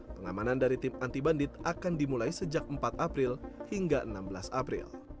pengamanan dari tim anti bandit akan dimulai sejak empat april hingga enam belas april